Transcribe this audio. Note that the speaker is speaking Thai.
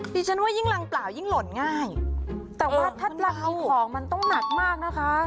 ดิฉันว่ายิ่งรังเปล่ายิ่งหล่นง่ายแต่ว่าถ้ารังเอาของมันต้องหนักมากนะคะ